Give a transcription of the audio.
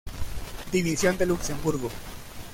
División de Luxemburgo.